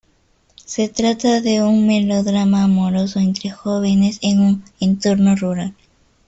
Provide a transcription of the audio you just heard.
Se trata de un melodrama amoroso entre jóvenes en un entorno rural.